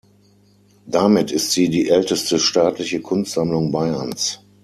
Damit ist sie die älteste staatliche Kunstsammlung Bayerns.